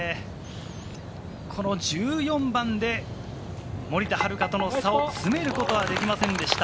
この１４番で森田遥との差を詰めることはできませんでした。